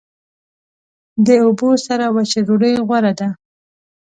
د اوبو سره وچه ډوډۍ غوره ده.